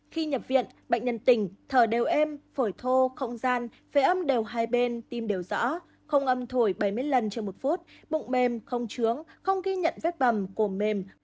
khi nhập viện bệnh nhân tỉnh thở đều êm phổi thô không gian phế âm đều hai bên tim đều rõ không âm thổi bảy mươi lần trên một phút bụng mềm không trướng không ghi nhận vết bầm của mềm